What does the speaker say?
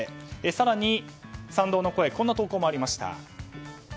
更に賛同の声こんな投稿もありました。